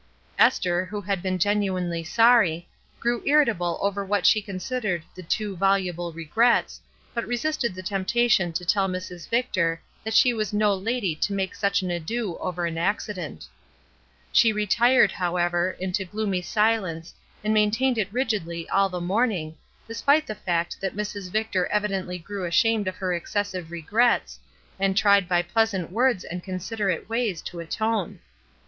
Esther, who had been genuinely sorry, grew irritable over what she considered the too voluble regrets, but resisted the temptation to tell Mrs. Victor that she was no lady to make such an ado over an accident. She retired. 114 ESTER RIED'S NAMESAKE however, into gloomy silence and maintained it rigidly all the morning, despite the fact that Mrs. Victor evidently grew ashamed of her excessive regrets and tried by pleasant words and considerate ways to atone.